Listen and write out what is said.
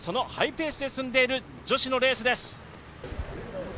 ハイペースで進んでいる女子のレースです。